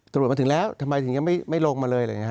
สรุปมาถึงแล้วทำไมยังไม่ลงมาเลย